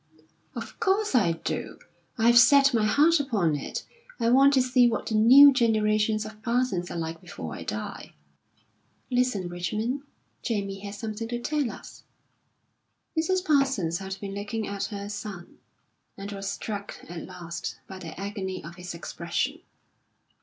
"Of course I do. I've set my heart upon it. I want to see what the new generations of Parsons are like before I die." "Listen, Richmond, Jamie has something to tell us." Mrs. Parsons had been looking at her son, and was struck at last by the agony of his expression.